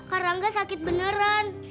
kak rangga sakit beneran